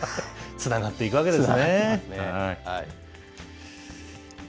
つながっていくわけですね。